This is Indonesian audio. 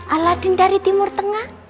aladin dari timur tengah